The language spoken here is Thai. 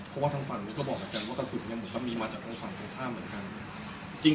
เพราะว่าทั้งฝั่งนี้ก็บอกเหมือนกันว่ากระสุนยังมีมาจากฝั่งตรงข้ามเหมือนกัน